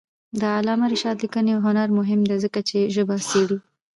د علامه رشاد لیکنی هنر مهم دی ځکه چې ژبه څېړي.